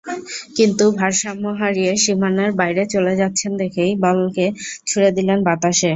কিন্তু ভারসাম্য হারিয়ে সীমানার বাইরে চলে যাচ্ছেন দেখেই বলকে ছুড়ে দিলেন বাতাসে।